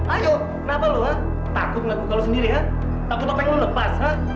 ayo kenapa lu takut ngaku ke lu sendiri takut apa yang lu lepas